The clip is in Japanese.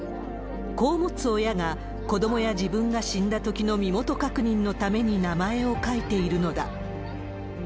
子を持つ親が、子どもや自分が死んだときの身元確認のために名前を書いているのだ。